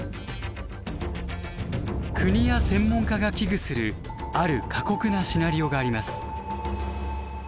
国や専門家が危惧するある過酷なシナリオがあります。